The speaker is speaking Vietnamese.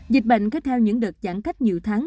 dịch bệnh kéo theo những đợt giãn cách nhiều tháng